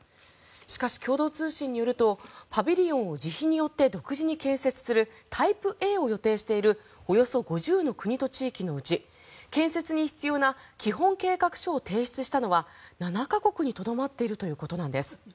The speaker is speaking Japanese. しかし、共同通信によるとパビリオンを自費によって独自に建設するタイプＡを予定しているおよそ５０の国と地域のうち建設に必要な基本計画書を提出したのは７か国にとどまっているということなんです。